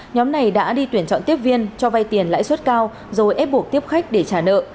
nhóm này đã đi tuyển chọn tiếp viên cho vay tiền lãi suất cao rồi ép buộc tiếp khách để trả nợ